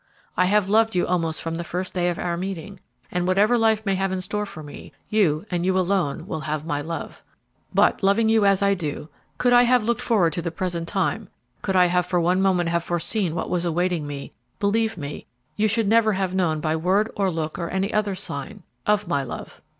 I have loved you almost from the first day of our meeting, and whatever life may have in store for me, you, and you alone, will have my love. But, loving you as I do, could I have looked forward to the present time, could I for one moment have foreseen what was awaiting me, believe me, you should never have known by word or look, or any other sign, of my love."